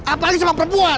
apalagi sama perempuan